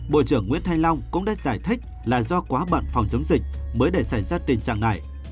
bộ trưởng nguyễn thanh long cũng đã giải thích là do quá bận phòng chống dịch mới để xảy ra tình trạng này